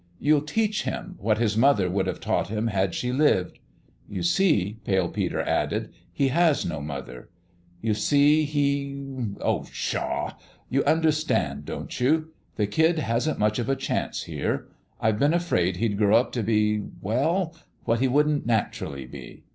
You'll teach him what his mother would have taught him had she lived ? You see," Pale Peter added, " he has no mother. You see, he oh, pshaw ! You under 70 PALE PETER'S GAME stand, don't you? The kid hasn't much of a chance here. I've been afraid he'd grow up to b e we ji what he wouldn't naturally be.